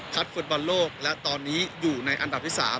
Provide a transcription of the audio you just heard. ฟุตบอลโลกและตอนนี้อยู่ในอันดับที่๓